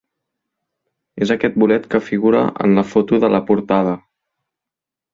És aquest el bolet que figura en la foto de la portada.